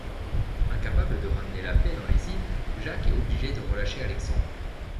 Incapable de ramener la paix dans les Îles, Jacques est obligé de relâcher Alexandre.